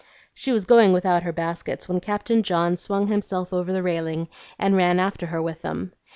She was going without her baskets when Captain John swung himself over the railing, and ran after her with them.